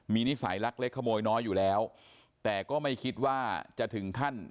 มีนิสัยลักเล็กขโมยน้อยอยู่แล้วแต่ก็ไม่คิดว่าจะถึงขั้น